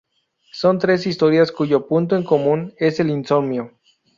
Son tres historias cuyo punto en común es el insomnio.